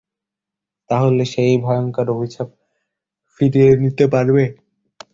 তাহলে সে এই ভয়ংকর অভিশাপ ফিরিয়ে নিতে পারবে?